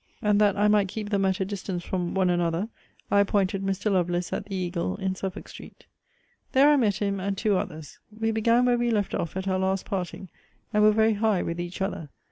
And, that I might keep them at distance from one another, I appointed Mr. Lovelace at the Eagle in Suffolk street. There I met him, and the two others. We began where we left off at our last parting; and were very high with each other.